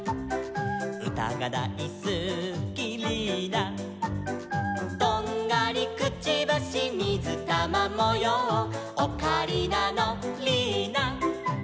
「うたがだいすきリーナ」「とんがりくちばしみずたまもよう」「オカリナのリーナ」